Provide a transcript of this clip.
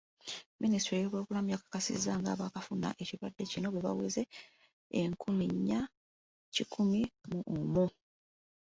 Minisitule y'ebyobulamu yakakasizza nga abakafuna ekirwadde kino bwebaweze enkumi nnya kikumi mu omu.